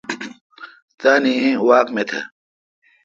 تان ای واک می تھ۔